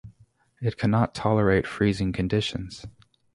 It cannot tolerate freezing conditions.